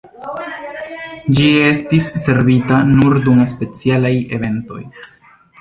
Ĝi estis servita nur dum specialaj eventoj.